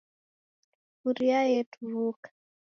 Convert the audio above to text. Sufuria yaturuka.